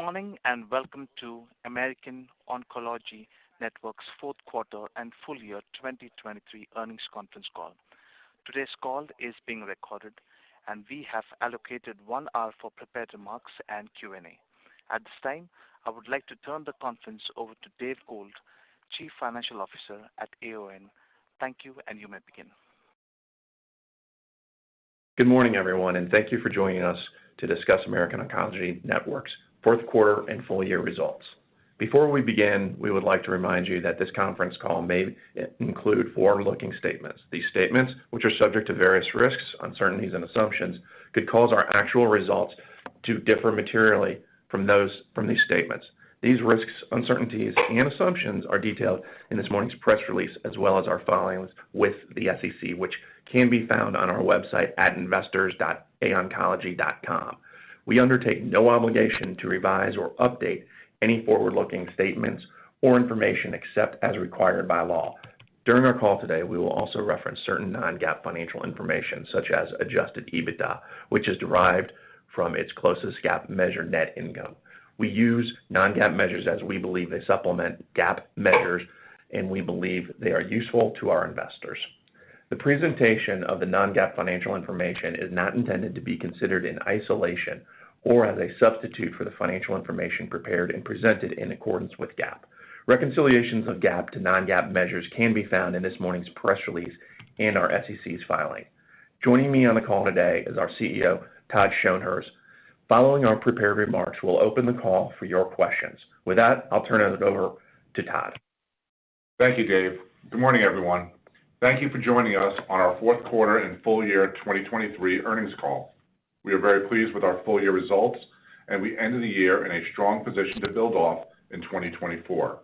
Good morning and welcome to American Oncology Network's Fourth Quarter and Full Year 2023 Earnings Conference Call. Today's call is being recorded and we have allocated one hour for prepared remarks and Q&A. At this time I would like to turn the conference over to Dave Gould, Chief Financial Officer at AON. Thank you and you may begin. Good morning, everyone, and thank you for joining us to discuss American Oncology Network's Fourth Quarter and Full Year Results. Before we begin, we would like to remind you that this conference call may include forward-looking statements. These statements, which are subject to various risks, uncertainties, and assumptions, could cause our actual results to differ materially from those from these statements. These risks, uncertainties, and assumptions are detailed in this morning's press release as well as our filings with the SEC, which can be found on our website at investors.aoncology.com. We undertake no obligation to revise or update any forward-looking statements or information except as required by law. During our call today, we will also reference certain non-GAAP financial information such as Adjusted EBITDA, which is derived from its closest GAAP measure, net income. We use non-GAAP measures as we believe they supplement GAAP measures and we believe they are useful to our investors. The presentation of the non-GAAP financial information is not intended to be considered in isolation or as a substitute for the financial information prepared and presented in accordance with GAAP. Reconciliations of GAAP to non-GAAP measures can be found in this morning's press release and our SEC filing. Joining me on the call today is our CEO Todd Schonherz. Following our prepared remarks we'll open the call for your questions. With that I'll turn it over to Todd. Thank you, Dave. Good morning, everyone. Thank you for joining us on our fourth quarter and full year 2023 earnings call. We are very pleased with our full year results, and we ended the year in a strong position to build off in 2024.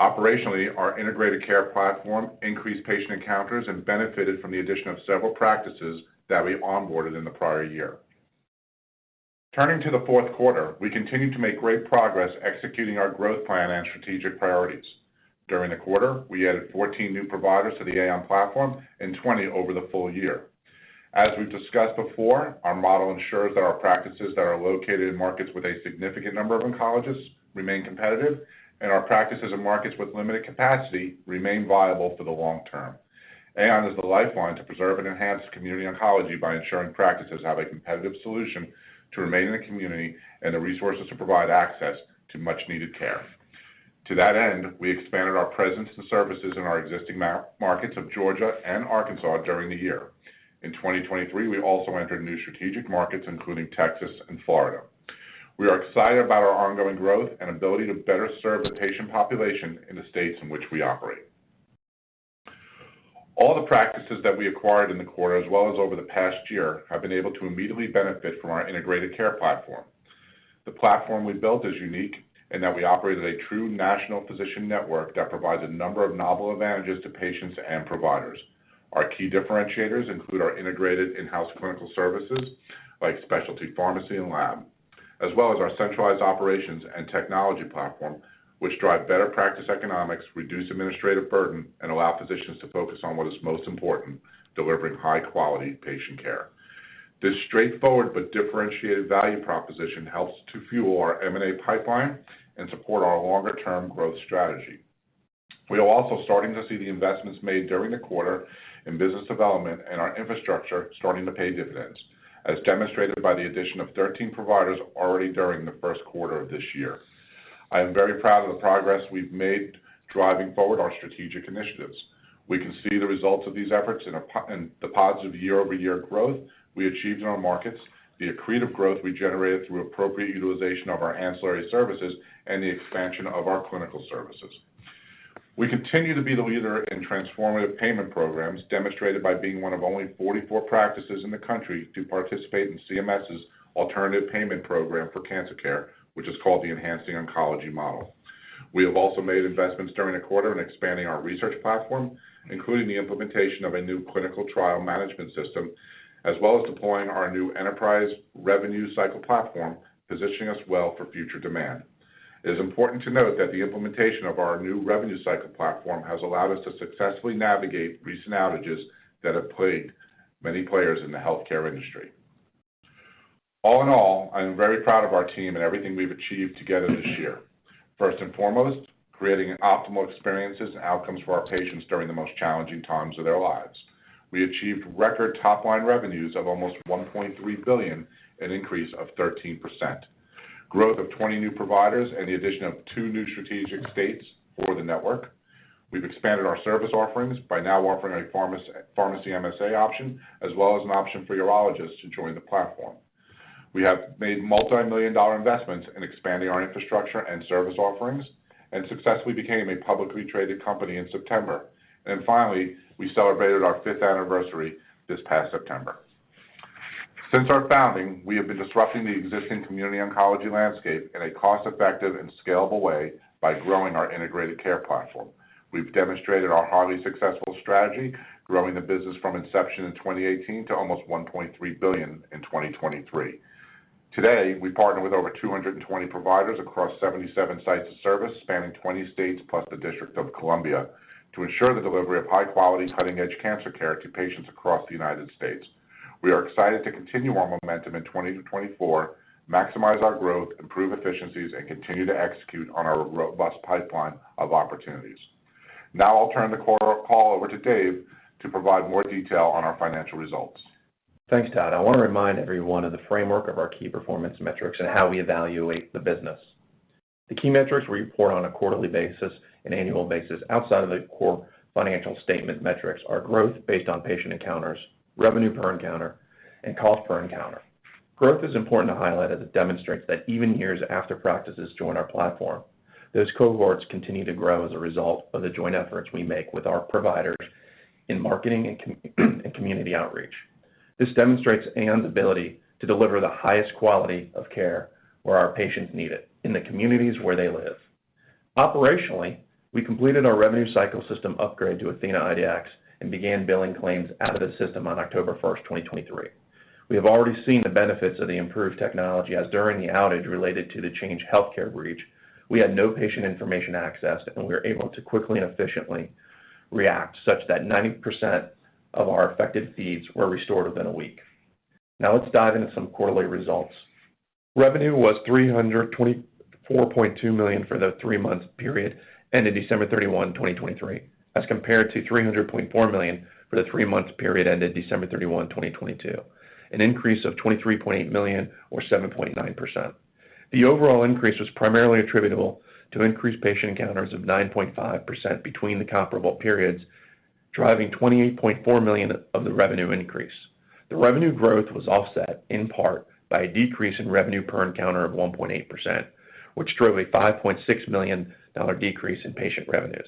Operationally, our integrated care platform increased patient encounters and benefited from the addition of several practices that we onboarded in the prior year. Turning to the fourth quarter, we continue to make great progress executing our growth plan and strategic priorities. During the quarter, we added 14 new providers to the AON platform and 20 over the full year. As we've discussed before, our model ensures that our practices that are located in markets with a significant number of oncologists remain competitive, and our practices in markets with limited capacity remain viable for the long term. AON is the lifeline to preserve and enhance community oncology by ensuring practices have a competitive solution to remain in the community and the resources to provide access to much-needed care. To that end we expanded our presence and services in our existing markets of Georgia and Arkansas during the year. In 2023 we also entered new strategic markets including Texas and Florida. We are excited about our ongoing growth and ability to better serve the patient population in the states in which we operate. All the practices that we acquired in the quarter as well as over the past year have been able to immediately benefit from our integrated care platform. The platform we built is unique in that we operate at a true national physician network that provides a number of novel advantages to patients and providers. Our key differentiators include our integrated in-house clinical services like specialty pharmacy and lab as well as our centralized operations and technology platform which drive better practice economics, reduce administrative burden, and allow physicians to focus on what is most important, delivering high-quality patient care. This straightforward but differentiated value proposition helps to fuel our M&A pipeline and support our longer-term growth strategy. We are also starting to see the investments made during the quarter in business development and our infrastructure starting to pay dividends as demonstrated by the addition of 13 providers already during the first quarter of this year. I am very proud of the progress we've made driving forward our strategic initiatives. We can see the results of these efforts in the positive year-over-year growth we achieved in our markets, the accretive growth we generated through appropriate utilization of our ancillary services, and the expansion of our clinical services. We continue to be the leader in transformative payment programs demonstrated by being one of only 44 practices in the country to participate in CMS's alternative payment program for cancer care, which is called the Enhancing Oncology Model. We have also made investments during the quarter in expanding our research platform including the implementation of a new clinical trial management system as well as deploying our new enterprise revenue cycle platform, positioning us well for future demand. It is important to note that the implementation of our new revenue cycle platform has allowed us to successfully navigate recent outages that have plagued many players in the healthcare industry. All in all, I am very proud of our team and everything we've achieved together this year. First and foremost, creating optimal experiences and outcomes for our patients during the most challenging times of their lives. We achieved record top-line revenues of almost $1.3 billion, an increase of 13%. Growth of 20 new providers and the addition of two new strategic states for the network. We've expanded our service offerings by now offering a pharmacy MSA option as well as an option for urologists to join the platform. We have made multimillion-dollar investments in expanding our infrastructure and service offerings and successfully became a publicly traded company in September, and finally, we celebrated our fifth anniversary this past September. Since our founding, we have been disrupting the existing community oncology landscape in a cost-effective and scalable way by growing our integrated care platform. We've demonstrated our highly successful strategy growing the business from inception in 2018 to almost $1.3 billion in 2023. Today we partner with over 220 providers across 77 sites of service spanning 20 states plus the District of Columbia to ensure the delivery of high-quality cutting-edge cancer care to patients across the United States. We are excited to continue our momentum in 2024, maximize our growth, improve efficiencies, and continue to execute on our robust pipeline of opportunities. Now I'll turn the call over to Dave to provide more detail on our financial results. Thanks Todd. I want to remind everyone of the framework of our key performance metrics and how we evaluate the business. The key metrics we report on a quarterly basis and annual basis outside of the core financial statement metrics are growth based on patient encounters, revenue per encounter, and cost per encounter. Growth is important to highlight as it demonstrates that even years after practices join our platform those cohorts continue to grow as a result of the joint efforts we make with our providers in marketing and community outreach. This demonstrates AON's ability to deliver the highest quality of care where our patients need it in the communities where they live. Operationally we completed our revenue cycle system upgrade to athenaIDX and began billing claims out of the system on October 1st, 2023. We have already seen the benefits of the improved technology as during the outage related to the Change Healthcare breach we had no patient information accessed and we were able to quickly and efficiently react such that 90% of our affected feeds were restored within a week. Now let's dive into some quarterly results. Revenue was $324.2 million for the three-month period ended December 31, 2023 as compared to $300.4 million for the three-month period ended December 31, 2022. An increase of $23.8 million or 7.9%. The overall increase was primarily attributable to increased patient encounters of 9.5% between the comparable periods driving $28.4 million of the revenue increase. The revenue growth was offset in part by a decrease in revenue per encounter of 1.8% which drove a $5.6 million decrease in patient revenues.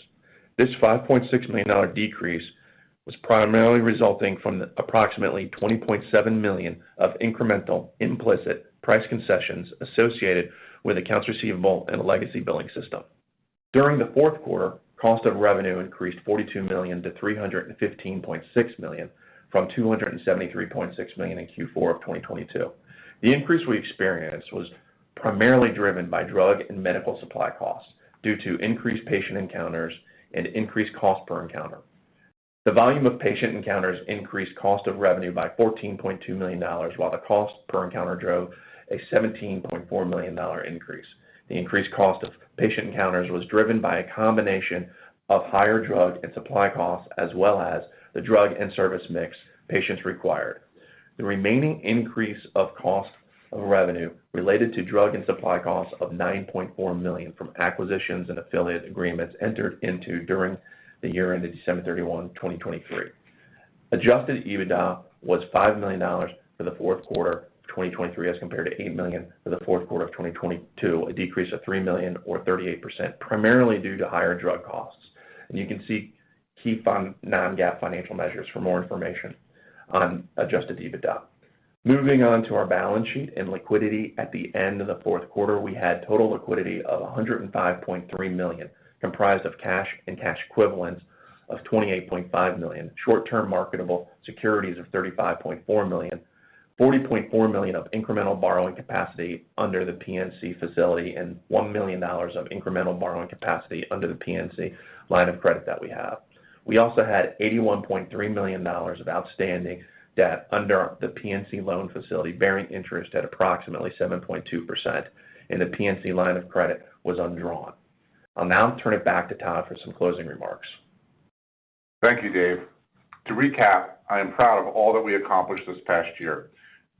This $5.6 million decrease was primarily resulting from approximately $20.7 million of incremental implicit price concessions associated with accounts receivable and a legacy billing system. During the fourth quarter cost of revenue increased $42 million to $315.6 million from $273.6 million in Q4 of 2022. The increase we experienced was primarily driven by drug and medical supply costs due to increased patient encounters and increased cost per encounter. The volume of patient encounters increased cost of revenue by $14.2 million while the cost per encounter drove a $17.4 million increase. The increased cost of patient encounters was driven by a combination of higher drug and supply costs as well as the drug and service mix patients required. The remaining increase of cost of revenue related to drug and supply costs of $9.4 million from acquisitions and affiliate agreements entered into during the year ended December 31, 2023. Adjusted EBITDA was $5 million for the fourth quarter of 2023 as compared to $8 million for the fourth quarter of 2022. A decrease of $3 million or 38% primarily due to higher drug costs. You can see key non-GAAP financial measures for more information on adjusted EBITDA. Moving on to our balance sheet and liquidity, at the end of the fourth quarter we had total liquidity of $105.3 million comprised of cash and cash equivalents of $28.5 million, short-term marketable securities of $35.4 million, $40.4 million of incremental borrowing capacity under the PNC facility, and $1 million of incremental borrowing capacity under the PNC line of credit that we have. We also had $81.3 million of outstanding debt under the PNC loan facility bearing interest at approximately 7.2% and the PNC line of credit was undrawn. I'll now turn it back to Todd for some closing remarks. Thank you, Dave. To recap, I am proud of all that we accomplished this past year.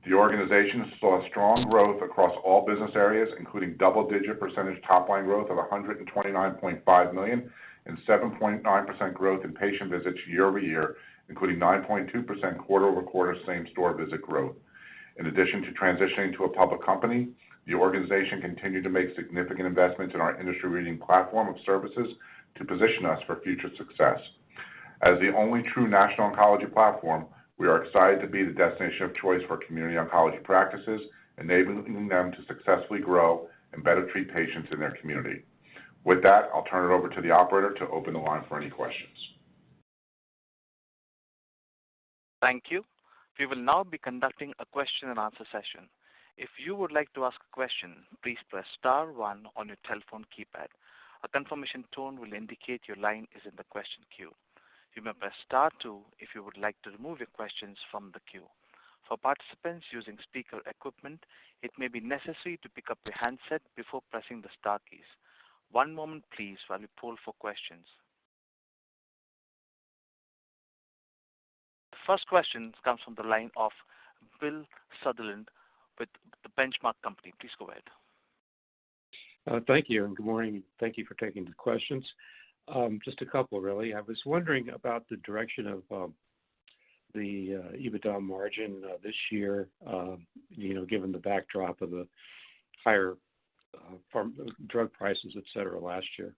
The organization saw strong growth across all business areas, including double-digit percentage top-line growth of $129.5 million and 7.9% growth in patient visits year-over-year, including 9.2% quarter-over-quarter same-store visit growth. In addition to transitioning to a public company, the organization continued to make significant investments in our industry-leading platform of services to position us for future success. As the only true national oncology platform, we are excited to be the destination of choice for community oncology practices, enabling them to successfully grow and better treat patients in their community. With that, I'll turn it over to the operator to open the line for any questions. Thank you. We will now be conducting a question and answer session. If you would like to ask a question please press star one on your telephone keypad. A confirmation tone will indicate your line is in the question queue. You may press star two if you would like to remove your questions from the queue. For participants using speaker equipment it may be necessary to pick up your handset before pressing the star keys. One moment please while we pull for questions. The first question comes from the line of Bill Sutherland with The Benchmark Company. Please go ahead. Thank you and good morning. Thank you for taking the questions. Just a couple really. I was wondering about the direction of the EBITDA margin this year given the backdrop of the higher drug prices, etc., last year.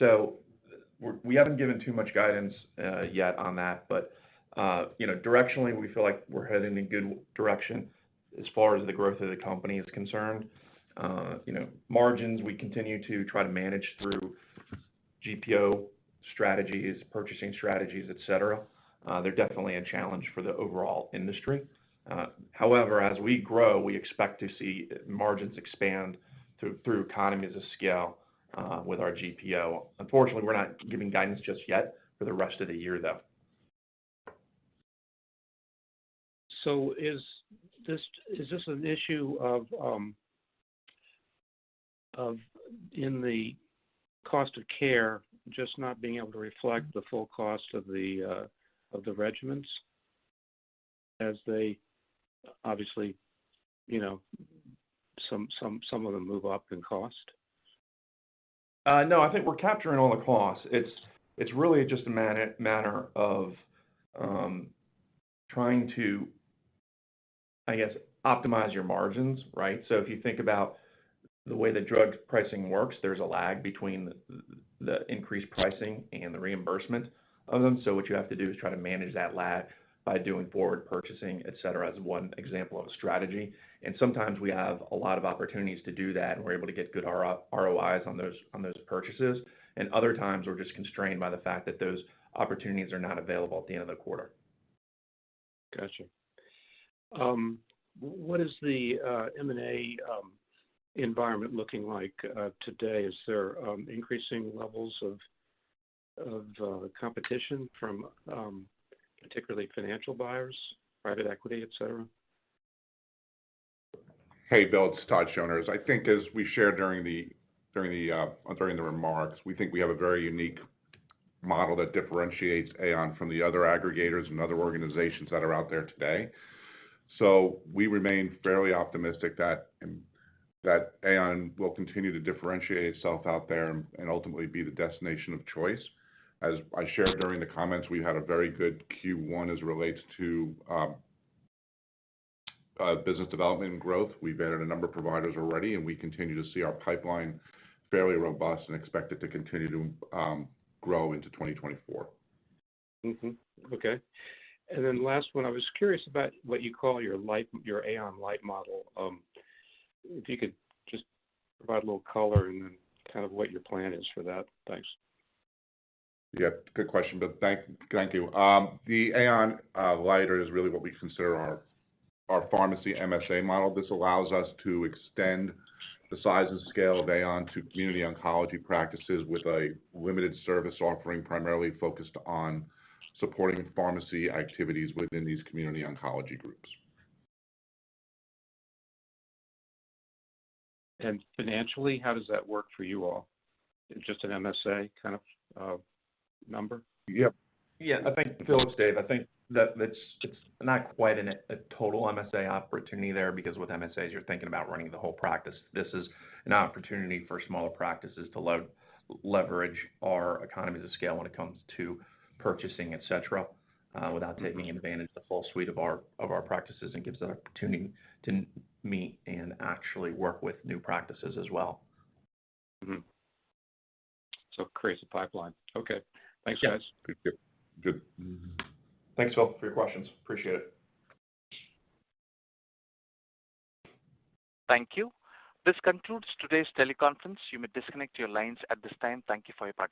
So we haven't given too much guidance yet on that but directionally we feel like we're heading in good direction as far as the growth of the company is concerned. Margins we continue to try to manage through GPO strategies, purchasing strategies, etc. They're definitely a challenge for the overall industry. However as we grow we expect to see margins expand through economies of scale with our GPO. Unfortunately we're not giving guidance just yet for the rest of the year though. Is this an issue of in the cost of care just not being able to reflect the full cost of the regimens as they obviously some of them move up in cost? No, I think we're capturing all the costs. It's really just a matter of trying to, I guess, optimize your margins, right? So if you think about the way the drug pricing works, there's a lag between the increased pricing and the reimbursement of them, so what you have to do is try to manage that lag by doing forward purchasing, etc., as one example of a strategy. And sometimes we have a lot of opportunities to do that and we're able to get good ROIs on those purchases and other times we're just constrained by the fact that those opportunities are not available at the end of the quarter. Gotcha. What is the M&A environment looking like today? Is there increasing levels of competition from particularly financial buyers, private equity, etc.? Hey Bill, it's Todd Schonherz. I think as we shared during the remarks we think we have a very unique model that differentiates AON from the other aggregators and other organizations that are out there today. So we remain fairly optimistic that AON will continue to differentiate itself out there and ultimately be the destination of choice. As I shared during the comments we've had a very good Q1 as it relates to business development and growth. We've added a number of providers already and we continue to see our pipeline fairly robust and expect it to continue to grow into 2024. Okay. And then last one I was curious about what you call your AON Lite model? If you could just provide a little color and then kind of what your plan is for that. Thanks. Yeah, good question, Bill. Thank you. The AON Lite is really what we consider our pharmacy MSA model. This allows us to extend the size and scale of AON to community oncology practices with a limited service offering primarily focused on supporting pharmacy activities within these community oncology groups. Financially how does that work for you all? Just an MSA kind of number? Yeah. Yeah, I think, Bill it's, Dave. I think that it's not quite a total MSA opportunity there because with MSAs you're thinking about running the whole practice. This is an opportunity for smaller practices to leverage our economies of scale when it comes to purchasing, etc., without taking advantage of the full suite of our practices and gives that opportunity to meet and actually work with new practices as well. So creates a pipeline. Okay. Thanks guys. Thanks Bill for your questions. Appreciate it. Thank you. This concludes today's teleconference. You may disconnect your lines at this time. Thank you for your time.